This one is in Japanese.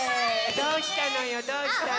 どうしたのよどうしたの？